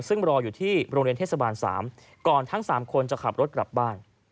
ซึ่งรออยู่ที่โรงเรียนเทศบาล๓ก่อนทั้ง๓คนจะขับรถกลับบ้าน